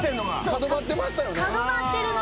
角張ってましたよね。